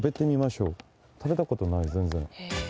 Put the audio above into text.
食べたことない全然。